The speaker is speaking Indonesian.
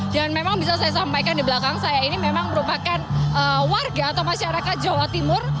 dan memang bisa saya sampaikan di belakang saya ini memang merupakan warga atau masyarakat jawa timur